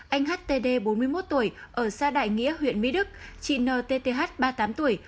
anh htd bốn mươi một tuổi ở xa đại nghĩa huyện mỹ đức chị ntth ba mươi tám tuổi